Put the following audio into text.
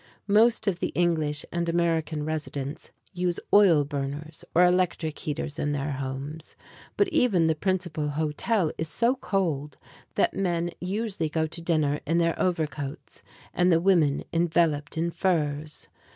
Most of the English and American residents use oil burners or electric heaters in their homes; but even the principal hotel is so cold that men usually go to dinner in their overcoats and the women enveloped in furs.